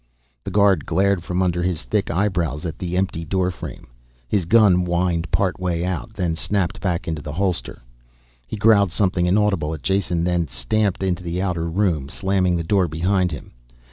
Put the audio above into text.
The guard glared from under his thick eyebrows at the empty doorframe, his gun whined part way out, then snapped back into the holster. He growled something inaudible at Jason, then stamped into the outer room, slamming the door behind him.